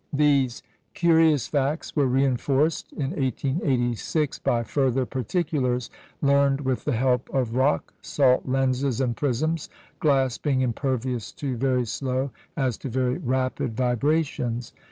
These curious facts were reinforced, in 1886, by further particulars learned with the help of rock salt lenses and prisms, glass being impervious to very slow, as to very rapid vibrations.